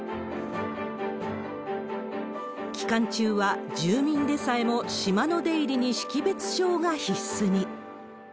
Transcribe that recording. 期間中は住民でさえも島の出入りに識別証が必須に。